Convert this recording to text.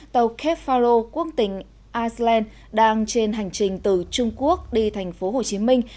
tàu kepharo quốc tỉnh iceland đang trên hành trình từ trung quốc đi thành phố hồ chí minh